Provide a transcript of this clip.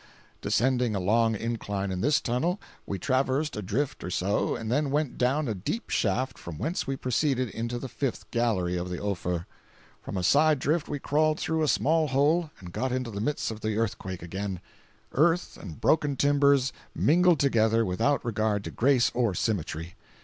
Descending a long incline in this tunnel, we traversed a drift or so, and then went down a deep shaft from whence we proceeded into the fifth gallery of the Ophir. From a side drift we crawled through a small hole and got into the midst of the earthquake again—earth and broken timbers mingled together without regard to grace or symmetry.